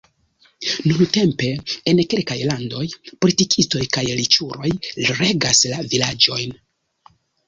Nuntempe en kelkaj landoj politikistoj kaj riĉuloj regas la vilaĝojn.